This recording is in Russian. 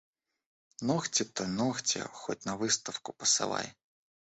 Ногти-то, ногти, хоть на выставку посылай!